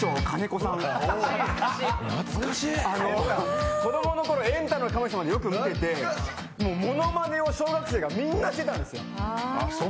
子供の頃、「エンタの神様」で見てまして、ものまねを小学生がみんな見てたんですよ。